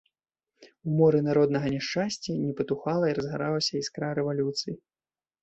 У моры народнага няшчасця не патухала і разгаралася іскра рэвалюцыі.